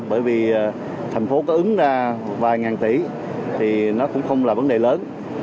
bởi vì thành phố có ứng ra vài ngàn tỷ thì nó cũng không là vấn đề lớn